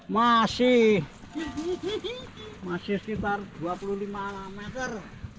masih sekitar dua puluh lima meter